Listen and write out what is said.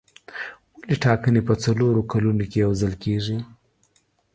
ولې ټاکنې په څلورو کلونو کې یو ځل کېږي.